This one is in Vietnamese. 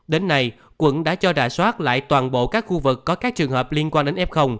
đến nay quận đã cho đà soát lại toàn bộ các khu vực có các trường hợp liên quan đến f